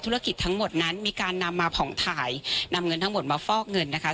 ธุรกิจทั้งหมดนั้นมีการนำมาผ่องถ่ายนำเงินทั้งหมดมาฟอกเงินนะคะ